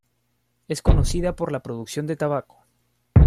Es conocida por la producción de tabaco.